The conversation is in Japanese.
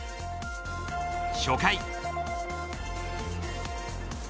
初回。